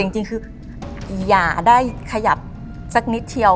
จริงคืออย่าได้ขยับสักนิดเดียว